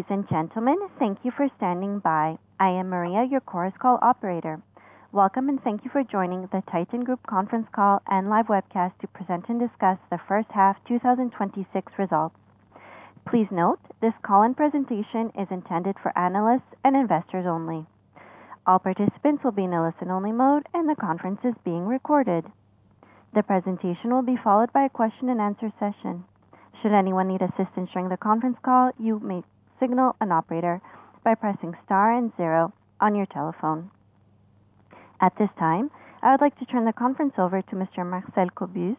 Ladies and gentlemen, thank you for standing by. I am Maria, your Chorus Call operator. Welcome, and thank you for joining the Titan Group conference call and live webcast to present and discuss the first half 2026 results. Please note, this call and presentation is intended for analysts and investors only. All participants will be in a listen-only mode, and the conference is being recorded. The presentation will be followed by a question and answer session. Should anyone need assistance during the conference call, you may signal an operator by pressing star and zero on your telephone. At this time, I would like to turn the conference over to Mr. Marcel Cobuz,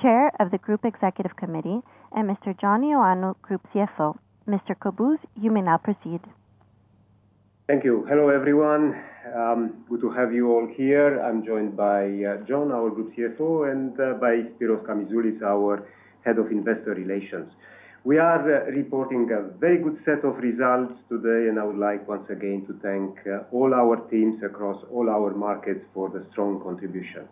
Chair of the Group Executive Committee, and Mr. John Ioannou, Group CFO. Mr. Cobuz, you may now proceed. Thank you. Hello, everyone. Good to have you all here. I'm joined by John, our Group CFO, and by Spyros Kamizoulis, our Head of Investor Relations. We are reporting a very good set of results today. I would like, once again, to thank all our teams across all our markets for the strong contribution,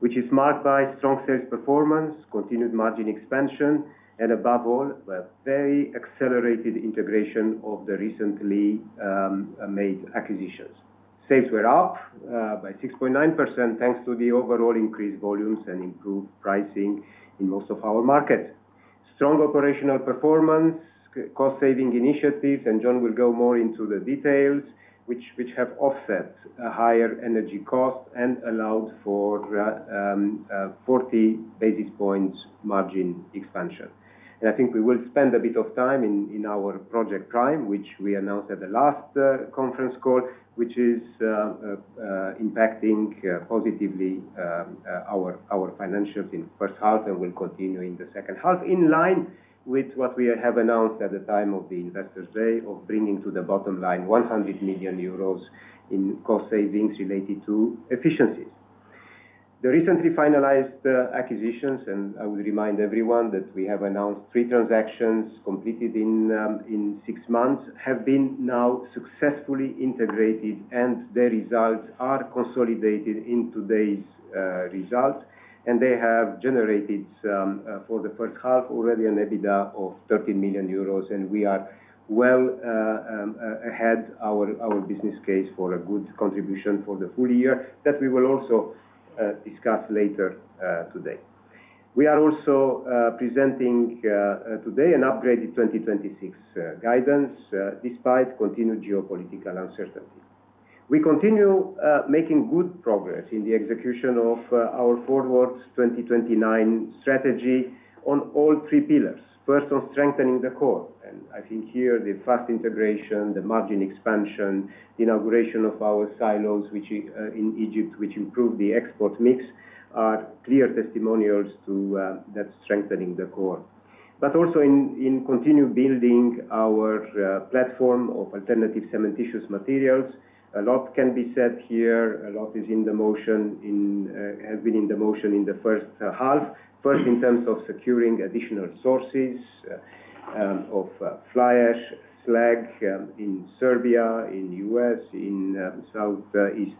which is marked by strong sales performance, continued margin expansion, and above all, a very accelerated integration of the recently made acquisitions. Sales were up by 6.9%, thanks to the overall increased volumes and improved pricing in most of our markets. Strong operational performance, cost-saving initiatives, John will go more into the details, which have offset higher energy costs and allowed for 40 basis points margin expansion. I think we will spend a bit of time in our Project Prime, which we announced at the last conference call, which is impacting positively our financials in the first half and will continue in the second half, in line with what we have announced at the time of the Investors Day of bringing to the bottom line 100 million euros in cost savings related to efficiencies. The recently finalized acquisitions, I will remind everyone that we have announced three transactions completed in six months, have been now successfully integrated, and the results are consolidated in today's results. They have generated, for the first half already, an EBITDA of 13 million euros, and we are well ahead our business case for a good contribution for the full year that we will also discuss later today. We are also presenting today an upgraded 2026 guidance, despite continued geopolitical uncertainty. We continue making good progress in the execution of our Forward 2029 strategy on all three pillars. 1st, on strengthening the core. I think here, the fast integration, the margin expansion, the inauguration of our silos in Egypt, which improve the export mix, are clear testimonials that's strengthening the core. Also in continue building our platform of alternative cementitious materials. A lot can be said here. A lot has been in the motion in the first half. 1st, in terms of securing additional sources of fly ash, slag in Serbia, in U.S., in Southeast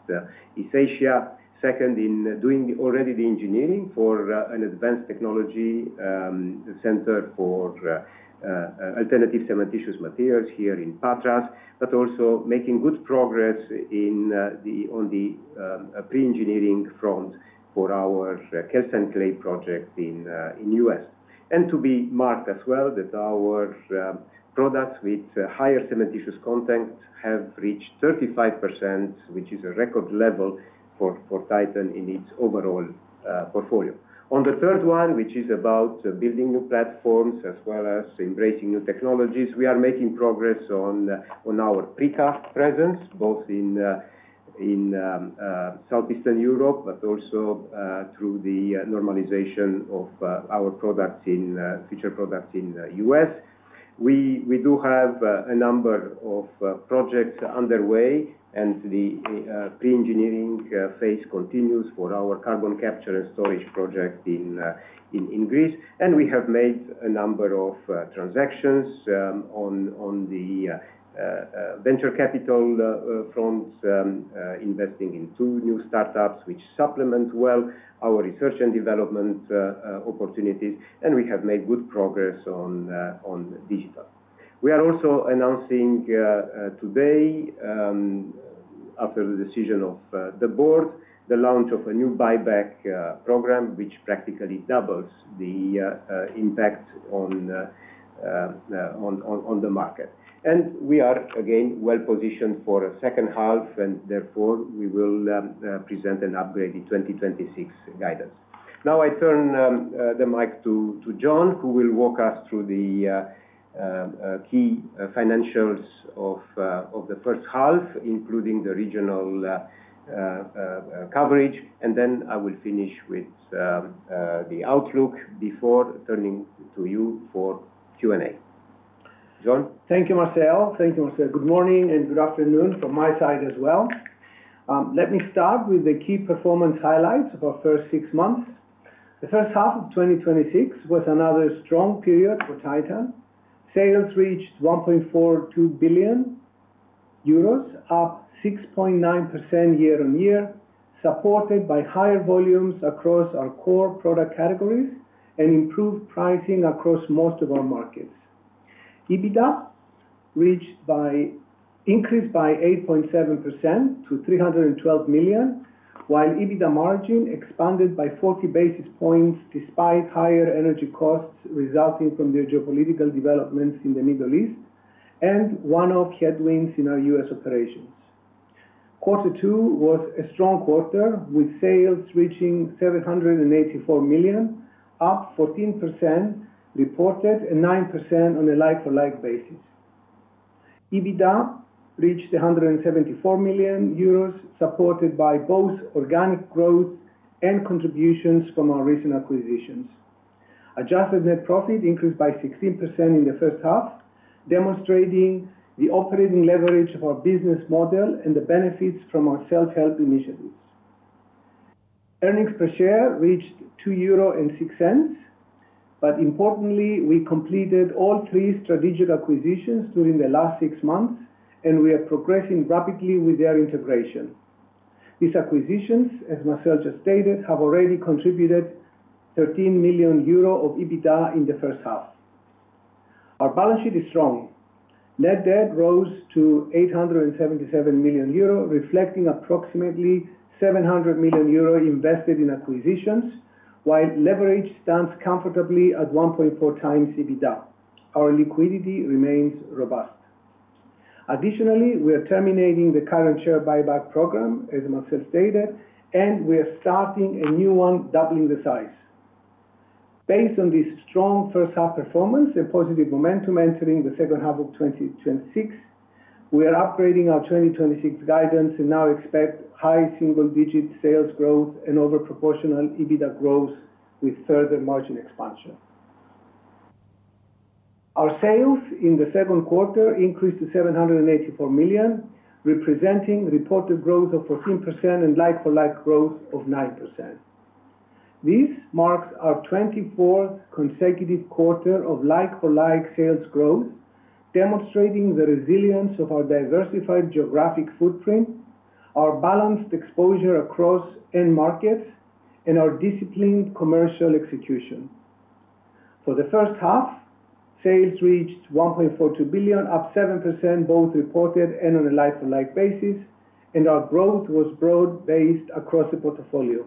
Asia. 2nd, in doing already the engineering for an advanced technology center for alternative cementitious materials here in Patras. Also making good progress on the pre-engineering front for our calcined clay project in U.S. To be marked as well that our products with higher cementitious content have reached 35%, which is a record level for Titan in its overall portfolio. Building new platforms as well as embracing new technologies, we are making progress on our PRICA presence, both in Southeastern Europe but also through the normalization of our future products in the U.S. We do have a number of projects underway, and the pre-engineering phase continues for our carbon capture and storage project in Greece. We have made a number of transactions on the venture capital front, investing in two new startups which supplement well our research and development opportunities, and we have made good progress on digital. We are also announcing today, after the decision of the board, the launch of a new buyback program, which practically doubles the impact on the market. We are, again, well positioned for a second half, and therefore, we will present an upgraded 2026 guidance. Now I turn the mic to John, who will walk us through the key financials of the first half, including the regional coverage, and then I will finish with the outlook before turning to you for Q&A. John? Thank you, Marcel. Good morning and good afternoon from my side as well. Let me start with the key performance highlights of our first six months. The first half of 2026 was another strong period for Titan. Sales reached 1.42 billion euros, up 6.9% year-on-year, supported by higher volumes across our core product categories and improved pricing across most of our markets. EBITDA increased by 8.7% to 312 million, while EBITDA margin expanded by 40 basis points despite higher energy costs resulting from the geopolitical developments in the Middle East and one-off headwinds in our U.S. operations. Quarter two was a strong quarter, with sales reaching 784 million, up 14% reported, and 9% on a like-for-like basis. EBITDA reached 174 million euros, supported by both organic growth and contributions from our recent acquisitions. Adjusted net profit increased by 16% in the first half, demonstrating the operating leverage of our business model and the benefits from our self-help initiatives. Earnings per share reached 2.06 euro. Importantly, we completed all three strategic acquisitions during the last six months, and we are progressing rapidly with their integration. These acquisitions, as Marcel just stated, have already contributed 13 million euro of EBITDA in the first half. Our balance sheet is strong. Net debt rose to 877 million euro, reflecting approximately 700 million euro invested in acquisitions. While leverage stands comfortably at 1.4 times EBITDA. Our liquidity remains robust. Additionally, we are terminating the current share buyback program, as Marcel stated, and we are starting a new one, doubling the size. Based on this strong first half performance and positive momentum entering the second half of 2026, we are upgrading our 2026 guidance and now expect high single-digit sales growth and over-proportional EBITDA growth with further margin expansion. Our sales in the second quarter increased to 784 million, representing reported growth of 14% and like-for-like growth of 9%. This marks our 24th consecutive quarter of like-for-like sales growth, demonstrating the resilience of our diversified geographic footprint, our balanced exposure across end markets, and our disciplined commercial execution. For the first half, sales reached 1.42 billion, up 7% both reported and on a like-for-like basis, and our growth was broad-based across the portfolio.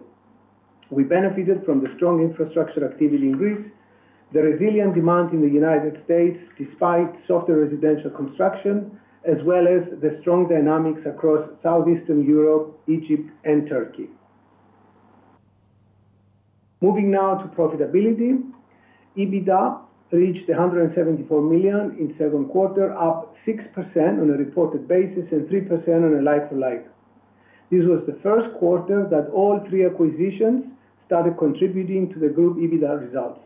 We benefited from the strong infrastructure activity in Greece, the resilient demand in the United States despite softer residential construction, as well as the strong dynamics across Southeastern Europe, Egypt, and Turkey. Moving now to profitability. EBITDA reached 174 million in second quarter, up 6% on a reported basis and 3% on a like-for-like. This was the first quarter that all three acquisitions started contributing to the group EBITDA results.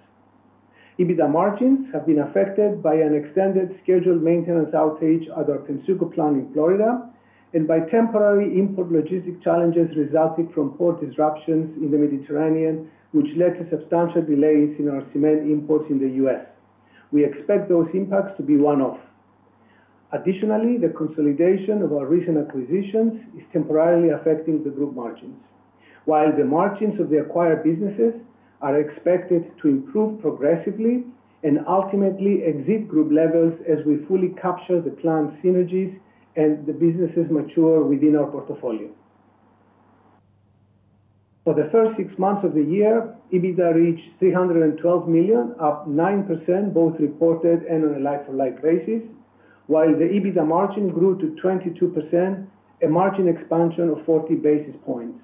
EBITDA margins have been affected by an extended scheduled maintenance outage at our Pennsuco plant in Florida and by temporary input logistic challenges resulting from port disruptions in the Mediterranean, which led to substantial delays in our cement imports in the U.S. We expect those impacts to be one-off. The consolidation of our recent acquisitions is temporarily affecting the group margins. The margins of the acquired businesses are expected to improve progressively and ultimately exceed group levels as we fully capture the planned synergies and the businesses mature within our portfolio. For the first six months of the year, EBITDA reached 312 million, up 9% both reported and on a like-for-like basis, while the EBITDA margin grew to 22%, a margin expansion of 40 basis points.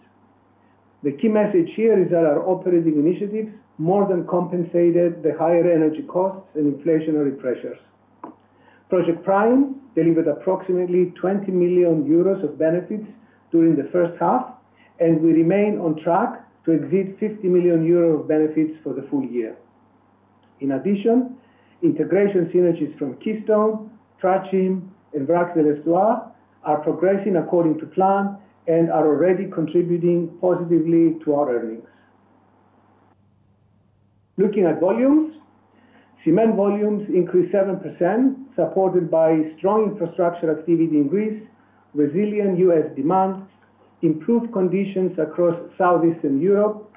The key message here is that our operating initiatives more than compensated the higher energy costs and inflationary pressures. Project Prime delivered approximately 20 million euros of benefits during the first half, and we remain on track to exceed 50 million euros of benefits for the full year. Integration synergies from Keystone, Traçim, and Vracs de l'Estuaire are progressing according to plan and are already contributing positively to our earnings. Looking at volumes. Cement volumes increased 7%, supported by strong infrastructure activity in Greece, resilient U.S. demand, improved conditions across Southeastern Europe,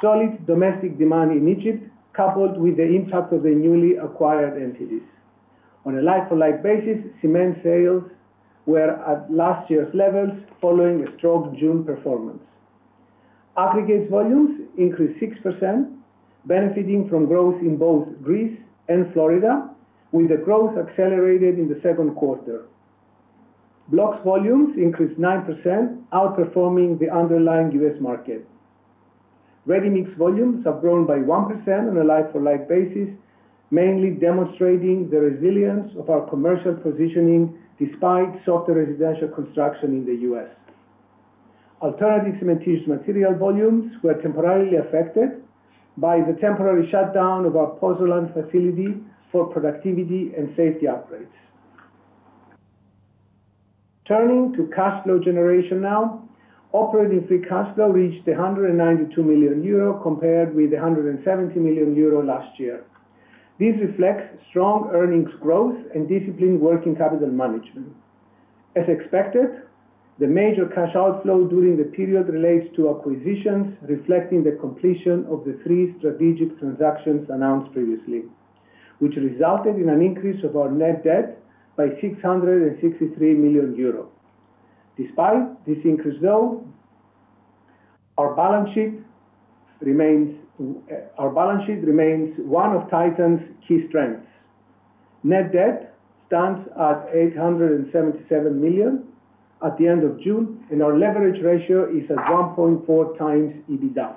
solid domestic demand in Egypt, coupled with the impact of the newly acquired entities. On a like-for-like basis, cement sales were at last year's levels following a strong June performance. Aggregates volumes increased 6%, benefiting from growth in both Greece and Florida, with the growth accelerated in the second quarter. Blocks volumes increased 9%, outperforming the underlying U.S. market. Ready-mix volumes have grown by 1% on a like-for-like basis, mainly demonstrating the resilience of our commercial positioning despite softer residential construction in the U.S. Alternative cementitious material volumes were temporarily affected by the temporary shutdown of our pozzolan facility for productivity and safety upgrades. Turning to cash flow generation now. Operating free cash flow reached 192 million euro compared with 170 million euro last year. This reflects strong earnings growth and disciplined working capital management. As expected, the major cash outflow during the period relates to acquisitions, reflecting the completion of the three strategic transactions announced previously, which resulted in an increase of our net debt by 663 million euros. Despite this increase, though, our balance sheet remains one of Titan's key strengths. Net debt stands at 877 million at the end of June, and our leverage ratio is at 1.4x EBITDA.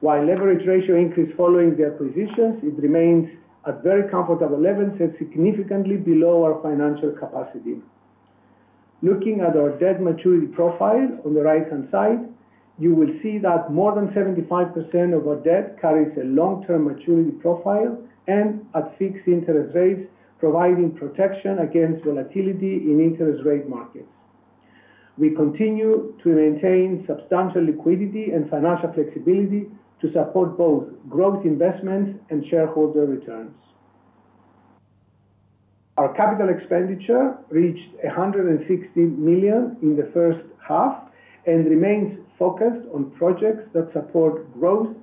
While leverage ratio increased following the acquisitions, it remains at very comfortable levels and significantly below our financial capacity. Looking at our debt maturity profile on the right-hand side, you will see that more than 75% of our debt carries a long-term maturity profile and at fixed interest rates, providing protection against volatility in interest rate markets. We continue to maintain substantial liquidity and financial flexibility to support both growth investments and shareholder returns. Our capital expenditure reached 160 million in the first half and remains focused on projects that support growth,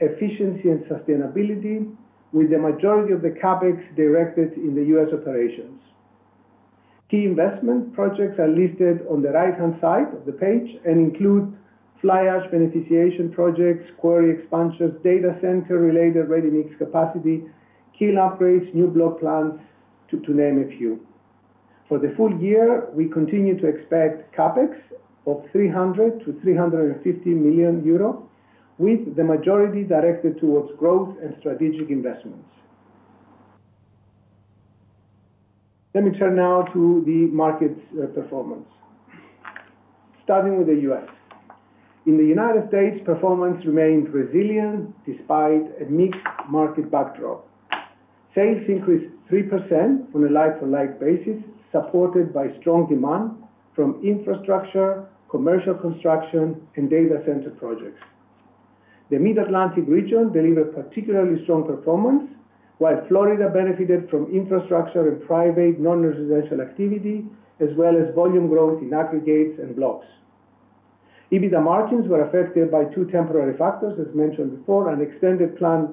efficiency, and sustainability, with the majority of the CapEx directed in the U.S. operations. Key investment projects are listed on the right-hand side of the page and include fly ash beneficiation projects, quarry expansions, data center-related ready-mix capacity, kiln upgrades, new block plants, to name a few. For the full year, we continue to expect CapEx of 300 million-350 million euro, with the majority directed towards growth and strategic investments. Let me turn now to the market performance, starting with the U.S. In the United States, performance remained resilient despite a mixed market backdrop. Sales increased 3% on a like-for-like basis, supported by strong demand from infrastructure, commercial construction, and data center projects. The Mid-Atlantic region delivered particularly strong performance, while Florida benefited from infrastructure and private non-residential activity, as well as volume growth in aggregates and blocks. EBITDA margins were affected by two temporary factors, as mentioned before, an extended plant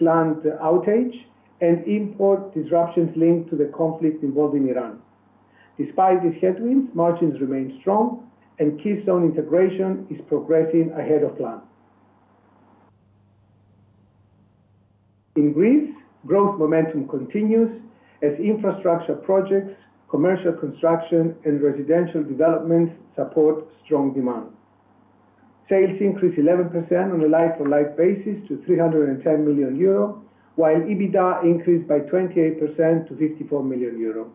outage and import disruptions linked to the conflict involving Iran. Despite these headwinds, margins remained strong and Keystone integration is progressing ahead of plan. In Greece, growth momentum continues as infrastructure projects, commercial construction, and residential developments support strong demand. Sales increased 11% on a like-for-like basis to 310 million euro, while EBITDA increased by 28% to 54 million euro.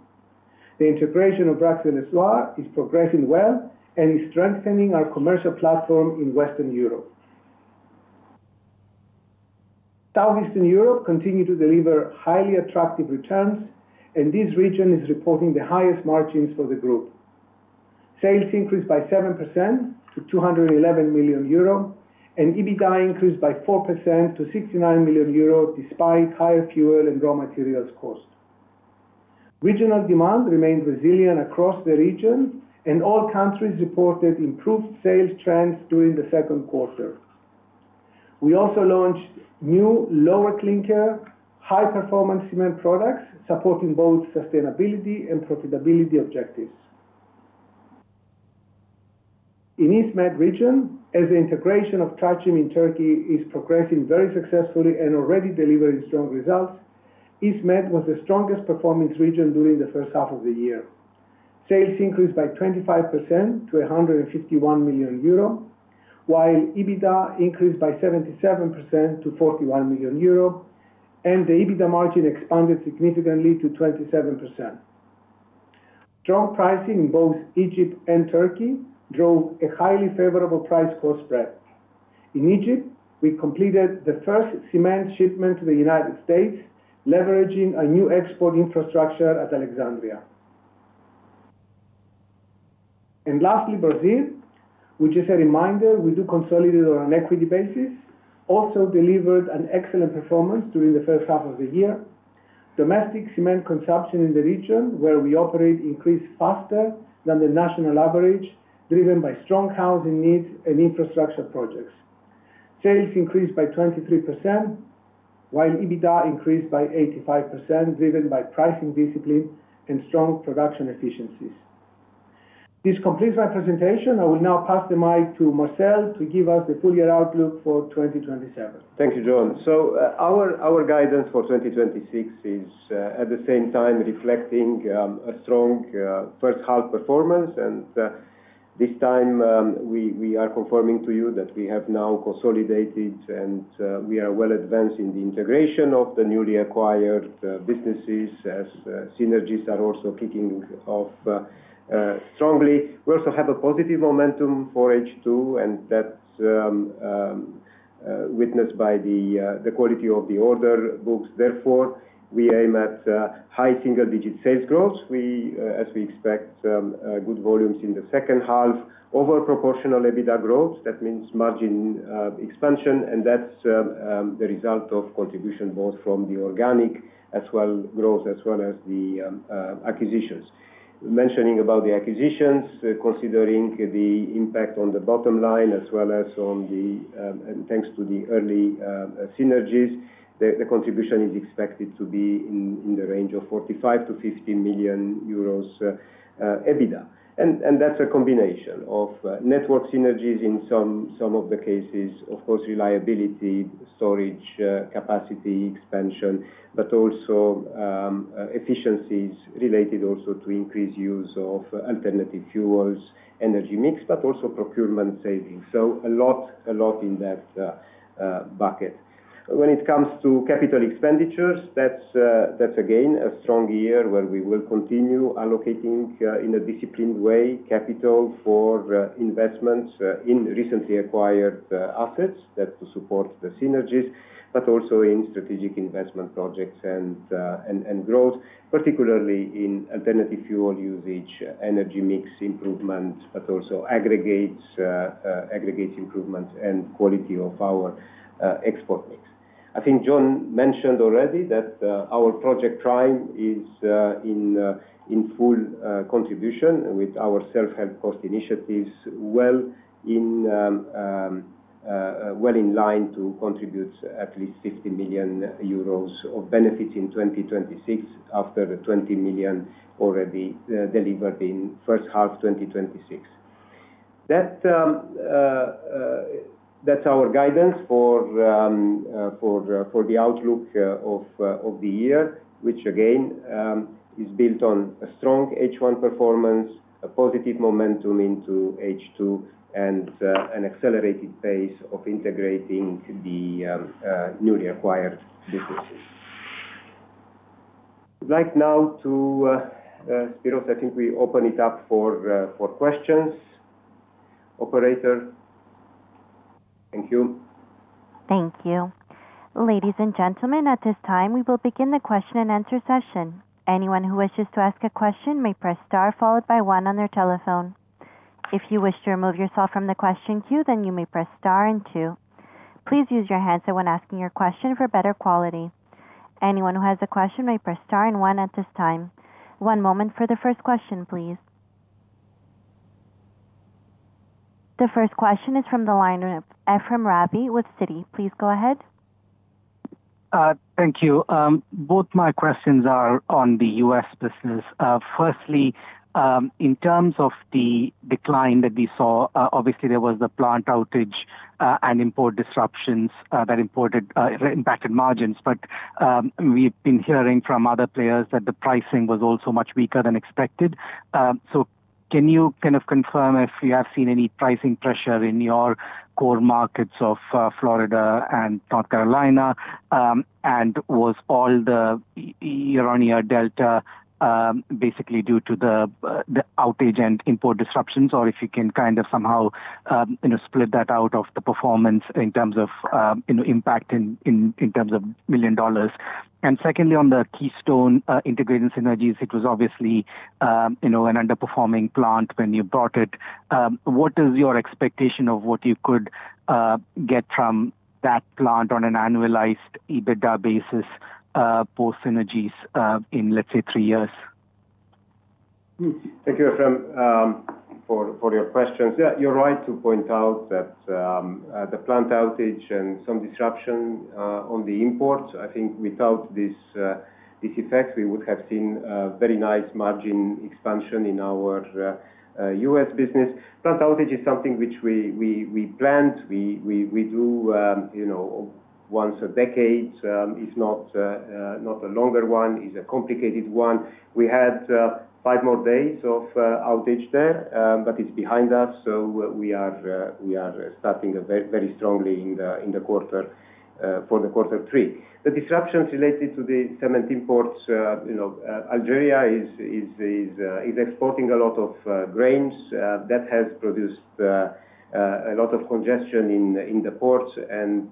The integration of Brax and Lhoist is progressing well and is strengthening our commercial platform in Western Europe. Southeastern Europe continued to deliver highly attractive returns, and this region is reporting the highest margins for the group. Sales increased by 7% to 211 million euro and EBITDA increased by 4% to 69 million euro, despite higher fuel and raw materials cost. Regional demand remained resilient across the region, and all countries reported improved sales trends during the second quarter. We also launched new lower clinker, high-performance cement products, supporting both sustainability and profitability objectives. In East Med region, as the integration of Traçim in Turkey is progressing very successfully and already delivering strong results, East Med was the strongest performing region during the first half of the year. Sales increased by 25% to 151 million euro, while EBITDA increased by 77% to 41 million euro, and the EBITDA margin expanded significantly to 27%. Strong pricing in both Egypt and Turkey drove a highly favorable price-cost spread. In Egypt, we completed the first cement shipment to the United States, leveraging a new export infrastructure at Alexandria. Lastly, Brazil, which as a reminder, we do consolidate on an equity basis, also delivered an excellent performance during the first half of the year. Domestic cement consumption in the region where we operate increased faster than the national average, driven by strong housing needs and infrastructure projects. Sales increased by 23%, while EBITDA increased by 85%, driven by pricing discipline and strong production efficiencies. This completes my presentation. I will now pass the mic to Marcel to give us the full year outlook for 2027. Thank you, John. Our guidance for 2026 is at the same time reflecting a strong first half performance. This time, we are confirming to you that we have now consolidated, and we are well advanced in the integration of the newly acquired businesses as synergies are also kicking off strongly. We also have a positive momentum for H2, that witnessed by the quality of the order books. Therefore, we aim at high single-digit sales growth, as we expect good volumes in the second half. Over proportional EBITDA growth, that means margin expansion, and that's the result of contribution both from the organic growth as well as the acquisitions. Mentioning about the acquisitions, considering the impact on the bottom line as well as thanks to the early synergies, the contribution is expected to be in the range of 45 million-50 million euros EBITDA. That's a combination of network synergies in some of the cases, of course, reliability, storage, capacity expansion, but also efficiencies related also to increased use of alternative fuels, energy mix, but also procurement savings. A lot in that bucket. When it comes to capital expenditures, that's again a strong year where we will continue allocating, in a disciplined way, capital for investments in recently acquired assets, that to support the synergies, but also in strategic investment projects and growth, particularly in alternative fuel usage, energy mix improvement, but also aggregates improvements, and quality of our export mix. I think John mentioned already that our Project Prime is in full contribution with our self-help cost initiatives well in line to contribute at least 50 million euros of benefit in 2026, after the 20 million already delivered in first half 2026. That's our guidance for the outlook of the year, which again, is built on a strong H1 performance, a positive momentum into H2, and an accelerated pace of integrating the newly acquired businesses. Spyros, I think we open it up for questions. Operator. Thank you. Thank you. The first question is from the line of Ephrem Ravi with Citi. Please go ahead. Thank you. Both my questions are on the U.S. business. Firstly, in terms of the decline that we saw, obviously there was the plant outage, and import disruptions that impacted margins. We've been hearing from other players that the pricing was also much weaker than expected. Can you kind of confirm if you have seen any pricing pressure in your core markets of Florida and North Carolina? Was all the year-over-year delta basically due to the outage and import disruptions? If you can kind of somehow split that out of the performance in terms of impact in terms of million dollars. Secondly, on the Keystone integrating synergies, it was obviously an underperforming plant when you bought it. What is your expectation of what you could get from that plant on an annualized EBITDA basis, post synergies, in let's say, three years? Thank you, Ephrem, for your questions. You're right to point out that the plant outage and some disruption on the imports, without this effect, we would have seen a very nice margin expansion in our U.S. business. Plant outage is something which we planned. We do once a decade. It's not a longer one. It's a complicated one. We had five more days of outage there, it's behind us, we are starting very strongly for the quarter three. The disruptions related to the cement imports, Algeria is exporting a lot of grains. That has produced a lot of congestion in the ports and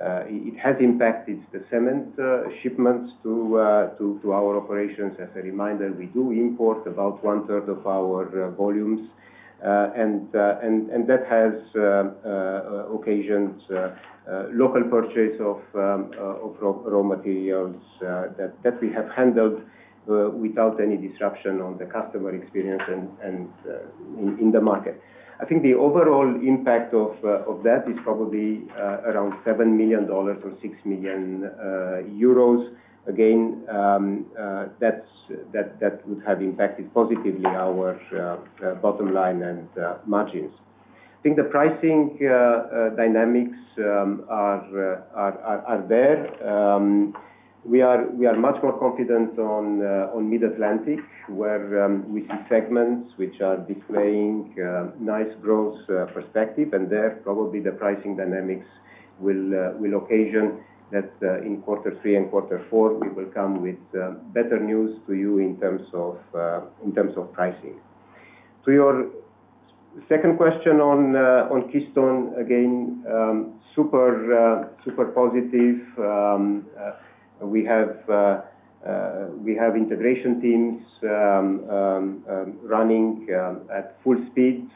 it has impacted the cement shipments to our operations. As a reminder, we do import about 1/3 of our volumes. That has occasioned local purchase of raw materials, that we have handled without any disruption on the customer experience and in the market. The overall impact of that is probably around $7 million or 6 million euros. That would have impacted positively our bottom line and margins. The pricing dynamics are there. We are much more confident on Mid-Atlantic, where we see segments which are displaying nice growth perspective. There probably the pricing dynamics will occasion that in quarter three and quarter four, we will come with better news to you in terms of pricing. To your 2nd question on Keystone, again, super positive. We have integration teams running at full speed.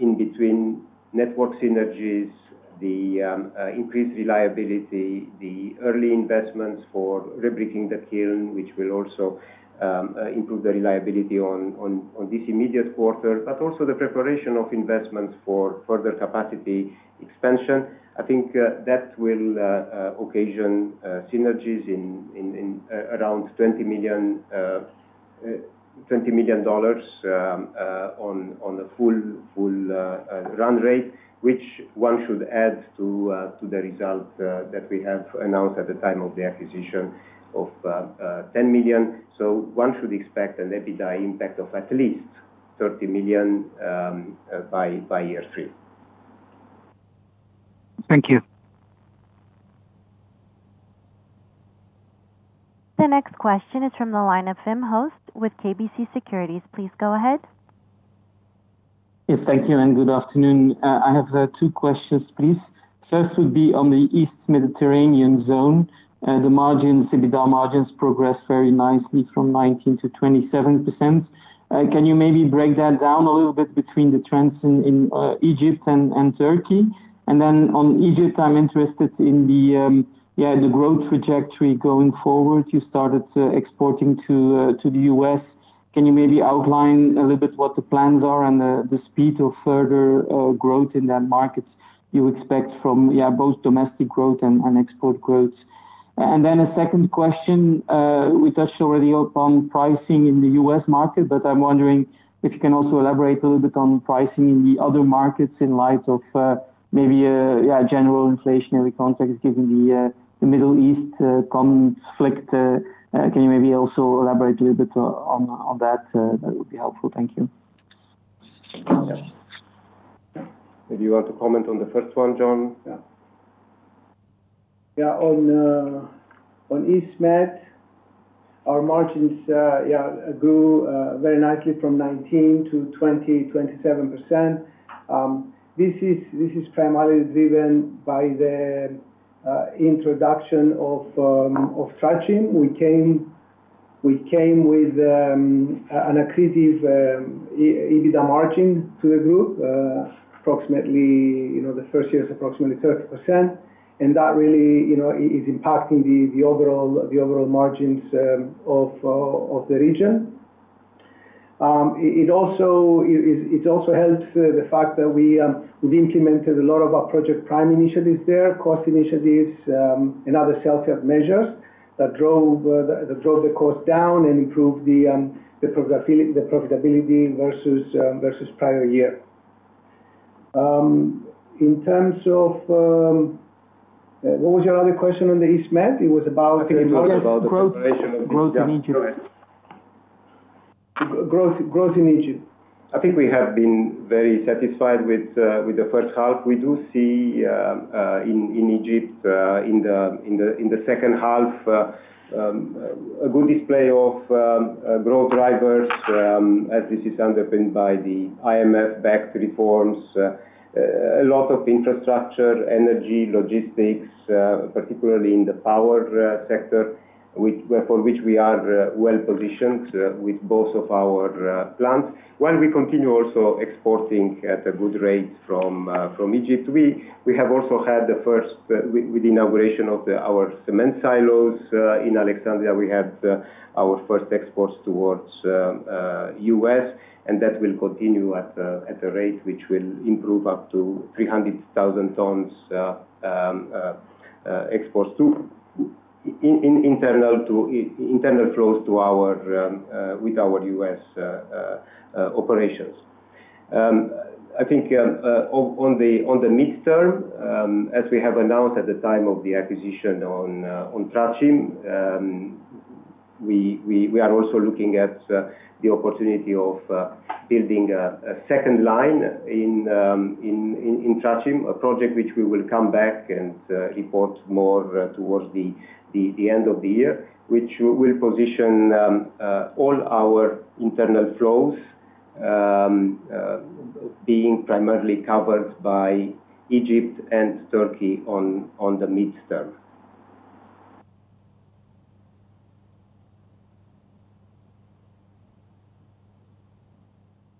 In between network synergies, the increased reliability, the early investments for rebricking the kiln, which will also improve the reliability on this immediate quarter, but also the preparation of investments for further capacity expansion. I think that will occasion synergies in around EUR 20 million on a full run rate, which one should add to the result that we have announced at the time of the acquisition of 10 million. One should expect an EBITDA impact of at least 30 million by year three. Thank you. The next question is from the line of Wim Hoste with KBC Securities. Please go ahead. Yes, thank you, and good afternoon. I have two questions, please. 1st would be on the East Mediterranean zone. The EBITDA margins progressed very nicely from 19% to 27%. Can you maybe break that down a little bit between the trends in Egypt and Turkey? Then on Egypt, I'm interested in the growth trajectory going forward. You started exporting to the U.S., can you maybe outline a little bit what the plans are and the speed of further growth in that market you expect from both domestic growth and export growth? Then a 2nd question, we touched already upon pricing in the U.S. market, but I'm wondering if you can also elaborate a little bit on pricing in the other markets in light of maybe a general inflationary context, given the Middle East conflict. Can you maybe also elaborate a little bit on that? That would be helpful. Thank you. If you want to comment on the first one, John? Yeah. On East Med, our margins grew very nicely from 19%-20%, 27%. This is primarily driven by the introduction of Traçim. We came with an accretive EBITDA margin to the group. The first year is approximately 30%, and that really is impacting the overall margins of the region. It also helps the fact that we've implemented a lot of our Project Prime initiatives there, cost initiatives, and other self-help measures that drove the cost down and improved the profitability versus prior year. In terms of, what was your other question on the East Med? It was about. I think it was about the preparation of this job. Growth in Egypt. Growth in Egypt. I think we have been very satisfied with the first half. We do see, in Egypt, in the second half, a good display of growth drivers, as this is underpinned by the IMF-backed reforms. A lot of infrastructure, energy, logistics, particularly in the power sector, for which we are well-positioned with both of our plants. While we continue also exporting at a good rate from Egypt, we have also had the first, with the inauguration of our cement silos in Alexandria, we had our first exports towards U.S., and that will continue at a rate which will improve up to 300,000 tons exports, internal flows with our U.S. operations. I think, on the mid-term, as we have announced at the time of the acquisition on Traçim, we are also looking at the opportunity of building a second line in Traçim, a project which we will come back and report more towards the end of the year, which will position all our internal flows being primarily covered by Egypt and Turkey on the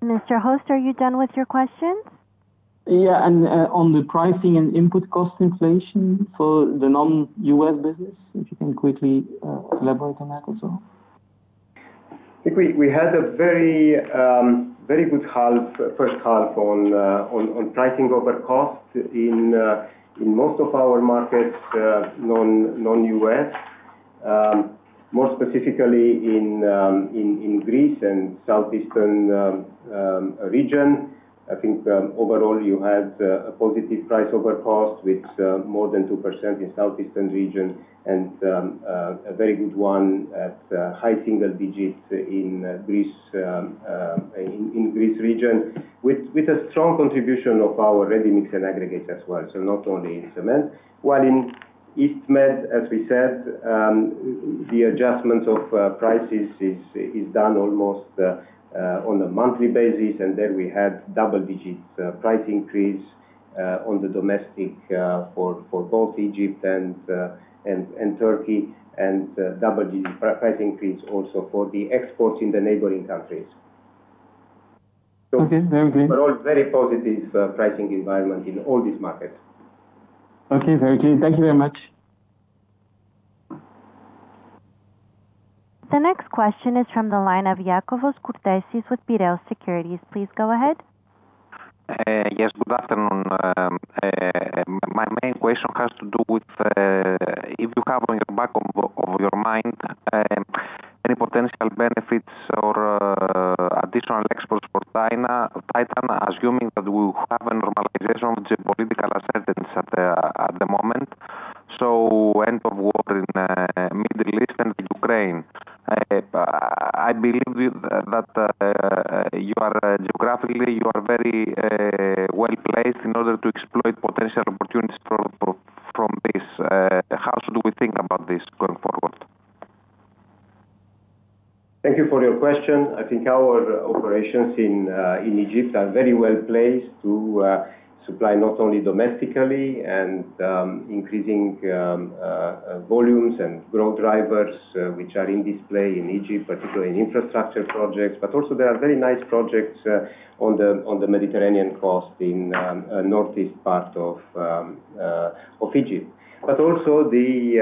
mid-term. Mr. Hoste, are you done with your questions? On the pricing and input cost inflation for the non-U.S. business, if you can quickly elaborate on that as well. I think we had a very good first half on pricing over cost in most of our markets, non-U.S., more specifically in Greece and Southeastern region. I think, overall, you had a positive price over cost with more than 2% in Southeastern region and a very good one at high single digits in Greece region, with a strong contribution of our ready-mix and aggregates as well, so not only in cement. While in East Med, as we said, the adjustment of prices is done almost on a monthly basis, and there we had double-digit price increase on the domestic for both Egypt and Turkey, and double-digit price increase also for the exports in the neighboring countries. Okay. Very clear. Overall, very positive pricing environment in all these markets. Okay. Very clear. Thank you very much. The next question is from the line of Iakovos Kourtesis with Piraeus Securities. Please go ahead. Yes, good afternoon. My main question has to do with if you have on your back of your mind any potential benefits or additional exports for Titan, assuming that we will have a normalization of geopolitical uncertainties at the moment, so end of war in Middle East and Ukraine. I believe that geographically, you are very well-placed in order to exploit potential opportunities from this. How should we think about this going forward? Thank you for your question. I think our operations in Egypt are very well-placed to supply not only domestically and increasing volumes and growth drivers, which are in display in Egypt, particularly in infrastructure projects. Also, there are very nice projects on the Mediterranean Coast in northeast part of Egypt. Also, the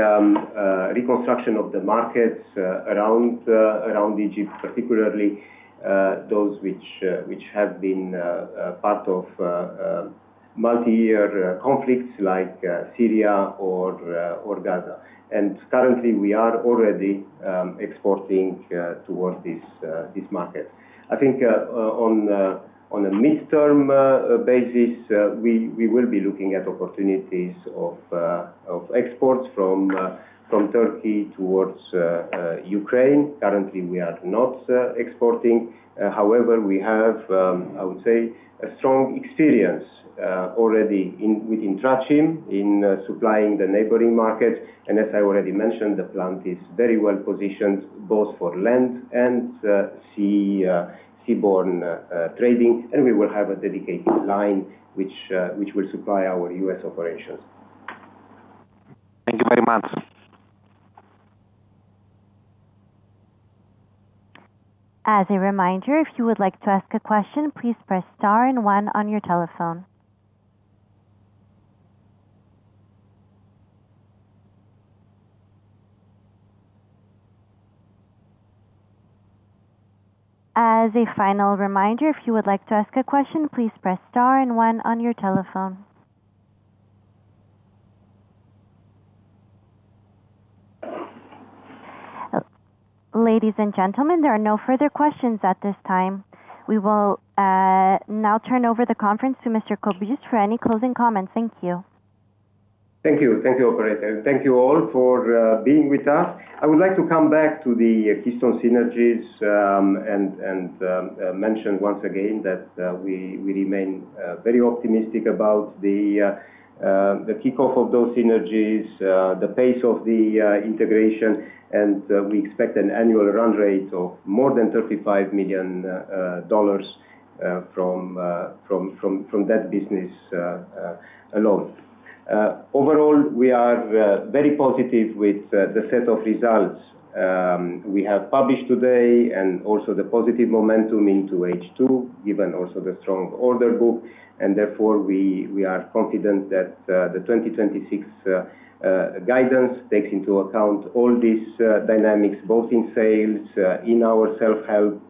reconstruction of the markets around Egypt, particularly those which have been part of multi-year conflicts like Syria or Gaza. Currently, we are already exporting towards this market. I think on a midterm basis, we will be looking at opportunities of exports from Turkey towards Ukraine. Currently, we are not exporting. However, we have, I would say, a strong experience already within Traçim, in supplying the neighboring market, and as I already mentioned, the plant is very well positioned both for land and seaborne trading, and we will have a dedicated line which will supply our U.S. operations. Thank you very much. Ladies and gentlemen, there are no further questions at this time. We will now turn over the conference to Mr. Cobuz for any closing comments. Thank you. Thank you. Thank you, operator. Thank you all for being with us. I would like to come back to the Keystone synergies, mention once again that we remain very optimistic about the kickoff of those synergies, the pace of the integration, and we expect an annual run rate of more than EUR 35 million from that business alone. Overall, we are very positive with the set of results we have published today and also the positive momentum into H2, given also the strong order book. Therefore, we are confident that the 2026 guidance takes into account all these dynamics, both in sales, in our self-help,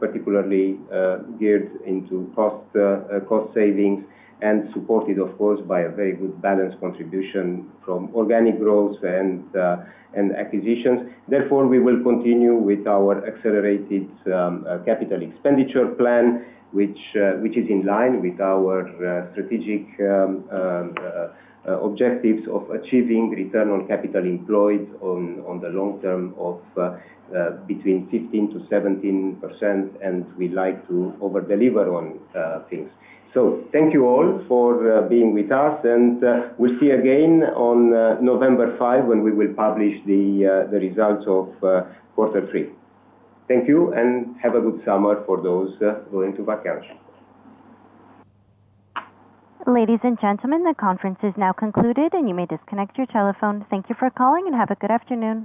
particularly geared into cost savings, and supported, of course, by a very good balanced contribution from organic growth and acquisitions. Therefore, we will continue with our accelerated capital expenditure plan, which is in line with our strategic objectives of achieving return on capital employed on the long term of between 15%-17%. We like to over-deliver on things. Thank you all for being with us, and we will see you again on November 5, when we will publish the results of quarter three. Thank you, and have a good summer for those going to vacation. Ladies and gentlemen, the conference is now concluded, and you may disconnect your telephone. Thank you for calling, and have a good afternoon.